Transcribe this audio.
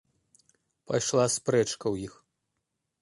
Пайшла спрэчка ў іх.